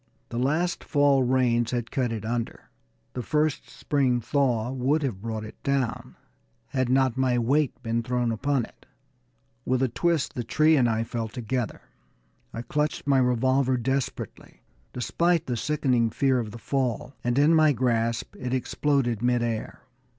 The last fall rains had cut it under; the first spring thaw would have brought it down, had not my weight been thrown upon it. With a twist the tree and I fell together. I clutched my revolver desperately, despite the sickening fear of the fall, and in my grasp it exploded in mid air.